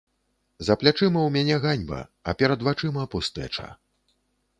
За плячыма ў мяне ганьба, а перад вачыма пустэча.